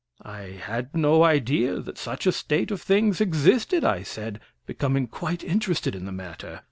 "I had no idea that such a state of things existed," I said, becoming quite interested in the matter.